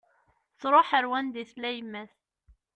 Truḥ ar wanda i tella yemma-s